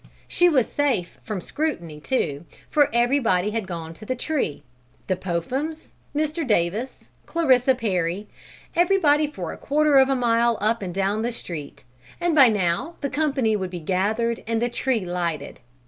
She was safe from scrutiny, too, for everybody had gone to the tree the Pophams, Mr. Davis, Clarissa Perry, everybody for a quarter of a mile up and down the street, and by now the company would be gathered and the tree lighted.